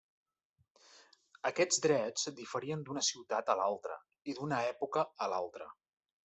Aquests drets diferien d'una ciutat a l'altra i d'una època a l'altra.